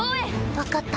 分かった。